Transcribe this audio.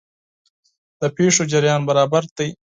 د پېښو جریان برابر دی.